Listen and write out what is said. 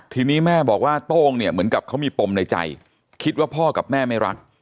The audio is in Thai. ทีนี้แม่บอกว่าโต้งเนี่ยเหมือนกับเขามีปมในใจคิดว่าพ่อกับแม่ไม่รัก